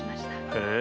へえ！